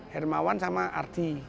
hermawan sama ardi